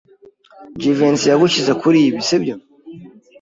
Jivency yagushyize kuri ibi, sibyo?